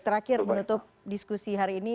terakhir menutup diskusi hari ini